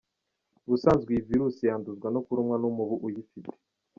Ubusanzwe iyi virus yanduzwa no kurumwa n’umubu uyifite.